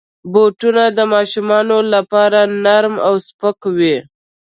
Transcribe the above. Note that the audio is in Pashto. بوټونه د ماشومانو لپاره نرم او سپک وي.